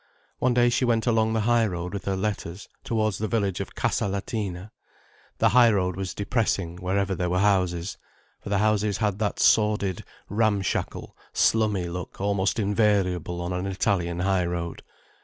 One day she went along the high road with her letters, towards the village of Casa Latina. The high road was depressing, wherever there were houses. For the houses had that sordid, ramshackle, slummy look almost invariable on an Italian high road.